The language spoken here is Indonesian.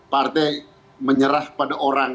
partai menyerah pada orang